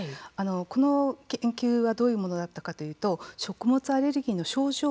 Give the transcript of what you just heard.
この研究はどういうものだったかというと食物アレルギーの症状